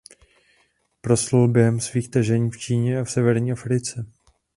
Proslul během svých tažení v Číně a v severní Africe.